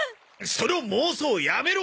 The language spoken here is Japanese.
その妄想やめろ！